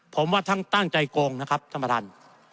ผมว่าทั้งตั้งใจโกงนะครับท่านประธาน